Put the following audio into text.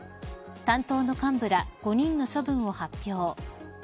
担当の幹部ら５人の処分を発表。